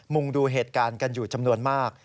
งงดูเหตุการณ์กันอยู่จำนวนมาก